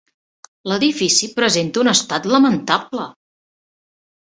L'edifici presenta un estat lamentable.